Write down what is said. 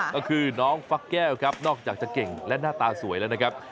ก็คือน้องฟักแก้วครับนอกจากจะเก่งและหน้าตาสวยแล้วนะครับ